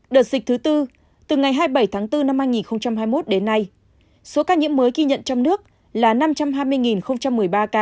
đợt dịch thứ tư từ ngày hai mươi bảy tháng bốn năm hai nghìn hai mươi một đến nay số ca nhiễm mới ghi nhận trong nước là năm trăm hai mươi một mươi ba ca